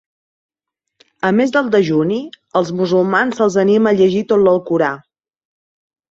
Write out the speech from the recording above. A més del dejuni, als musulmans se'ls anima a llegir tot l'Alcorà.